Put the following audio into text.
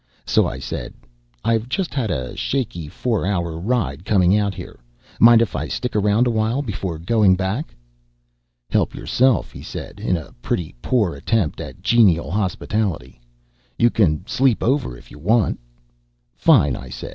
So I said, "I've just had a shaky four hour ride coming out here. Mind if I stick around a while before going back?" "Help yourself," he said, in a pretty poor attempt at genial hospitality. "You can sleep over, if you want." "Fine," I said.